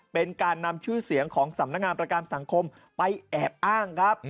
เป็นการนำชื่อเสียงของสำนักงานประกันสังคมไปแอบอ้างครับ